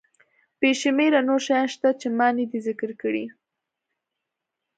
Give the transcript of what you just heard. بې شمېره نور شیان شته چې ما ندي ذکر کړي.